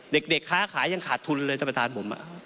เด็กค้าขายยังขาดทุนเลยท่านประธานผม